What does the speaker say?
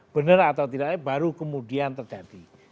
benar atau tidaknya baru kemudian terjadi